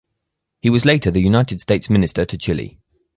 He was later the United States Minister to Chile.